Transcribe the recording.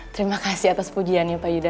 terima kasih atas pujiannya pak yuda